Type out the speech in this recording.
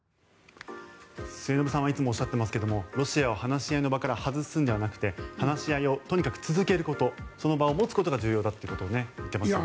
末延さんはいつもおっしゃっていますけれどロシアを話し合いの場から外すのではなくて話し合いをとにかく続けることその場を持つことが重要だと言っていますよね。